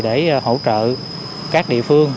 để hỗ trợ các địa phương